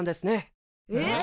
えっ？